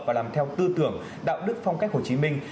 và làm theo tư tưởng đạo đức phong cách hồ chí minh